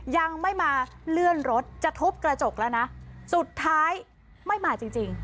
ยังไม่มาเลื่อนรถจะทุบกระจกแล้วนะสุดท้ายไม่มาจริงจริง